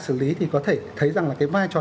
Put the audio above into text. xử lý thì có thể thấy rằng là cái vai trò